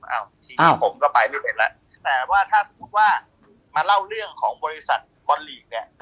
อ้าวทีนี้ผมก็ไปเรื่อยแล้วแต่ว่าถ้าสมมุติว่ามาเล่าเรื่องของบริษัทบอลลีกเนี่ย